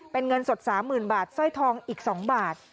เป็นเงินสด๓๐๐๐บาทสร้อยทองอีก๒บาท